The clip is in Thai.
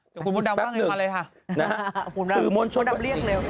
เดี๋ยวคุณบุ๊ดดับบ้างกันมาเลยค่ะ